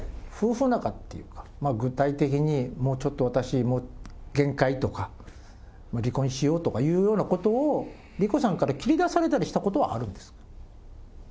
夫婦仲っていうのは、具体的に、もうちょっと私限界とか、離婚しようとかいうようなことを、理子さんから切り出されたりしたことはあるんですか？